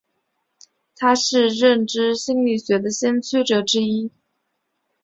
他是认知心理学的先驱者之一。